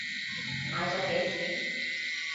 買咗幾錢？